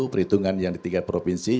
perhitungan yang di tingkat provinsi